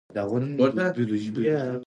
سانتیاګو د مصر اهرامونو ته رسیږي.